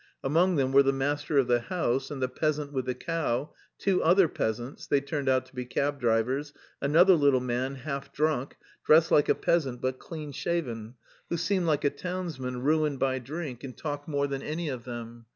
Among them were the master of the house, and the peasant with the cow, two other peasants (they turned out to be cab drivers), another little man, half drunk, dressed like a peasant but clean shaven, who seemed like a townsman ruined by drink and talked more than any of them.